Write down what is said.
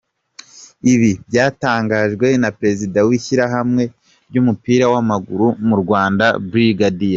Ibi byatangajwe na Perezida w’Ishyirahamwe ry’Umupira w’Amaguru mu Rwanda, Brig.